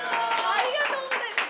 ありがとうございます！